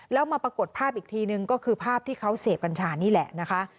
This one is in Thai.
แล้วมาปรากฏภาพอีกทีนึงก็คือภาพที่เขาเสพกัญชานี่แหละนะคะ